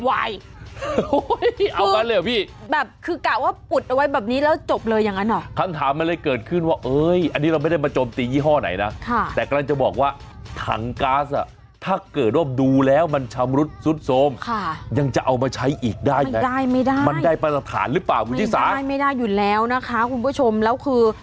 หรือเปล่าคุณผู้ชิคกี้พายไม่ได้ไม่ได้อยู่แล้วนะคะคุณผู้ชมแล้วคือ